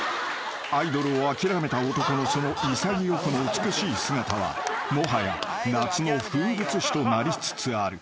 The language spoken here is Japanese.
［アイドルを諦めた男のその潔くも美しい姿はもはや夏の風物詩となりつつある］